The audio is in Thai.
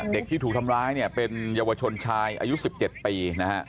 เด็กที่ถูกทำร้ายเนี่ยเป็นเยาวชนชายอายุ๑๗ปีนะฮะ